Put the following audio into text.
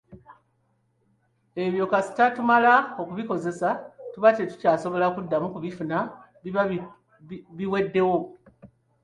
Ebyo kasita tumala okubikozesa, tuba tetukyasobola kuddamu kubifuna, biba biweddewo